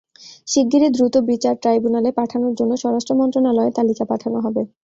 শিগগিরই দ্রুত বিচার ট্রাইব্যুনালে পাঠানোর জন্য স্বরাষ্ট্র মন্ত্রণালয়ে তালিকা পাঠানো হবে।